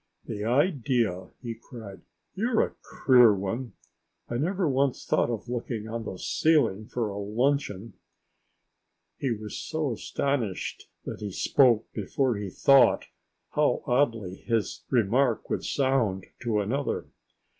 "The idea!" he cried. "You're a queer one! I never once thought of looking on the ceiling for a luncheon!" He was so astonished that he spoke before he thought how oddly his remark would sound to another.